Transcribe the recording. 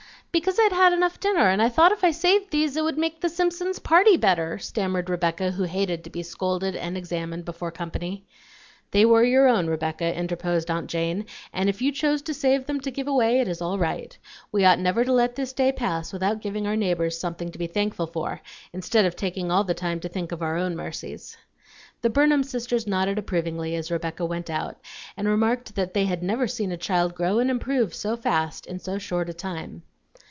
"Because I'd had enough dinner, and I thought if I saved these, it would make the Simpsons' party better," stammered Rebecca, who hated to be scolded and examined before company. "They were your own, Rebecca," interposed aunt Jane, "and if you chose to save them to give away, it is all right. We ought never to let this day pass without giving our neighbors something to be thankful for, instead of taking all the time to think of our own mercies." The Burnham sisters nodded approvingly as Rebecca went out, and remarked that they had never seen a child grow and improve so fast in so short a time.